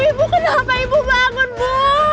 ibu kenapa ibu bangun bu